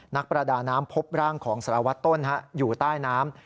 นักประดาน้ำพบร่างของสารวัตรต้นอยู่ใต้น้ำ